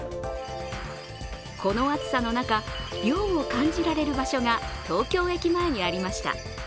この暑さの中、涼を感じられる場所が東京駅前にありました。